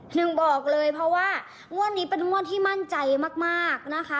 หนึ่งบอกเลยเพราะว่างวดนี้เป็นงวดที่มั่นใจมากนะคะ